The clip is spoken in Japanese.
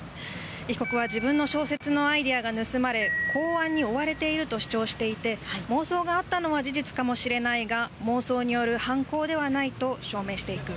被告は自分の小説のアイデアが盗まれたと思い、公安に追われていると主張し、妄想があったのは事実かもしれないが、妄想による犯行ではないと証明していく。